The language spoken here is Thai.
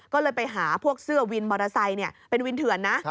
ก็เลยไปหาพวกเสื้อวินมอเตอร์ไซค์เป็นวินเถื่อนนะ